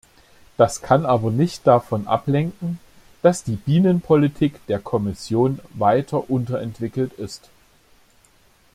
Das kann aber nicht davon ablenken, dass die Bienenpolitik der Kommission weiter unterentwickelt ist.